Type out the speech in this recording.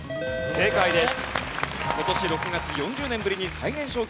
正解です。